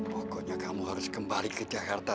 pokoknya kamu harus kembali ke jakarta